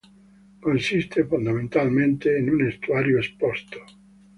Consiste, fondamentalmente, in un estuario esposto.